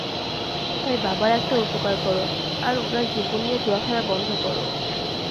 তাই বাবার একটা উপকার করো আর ওনার জীবন নিয়ে জুয়া খেলা বন্ধ করো।